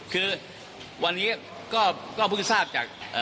คือวันนี้ก็เพิ่งทราบจาก